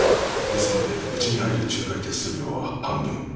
ですのでうちに入る仲介手数料は半分。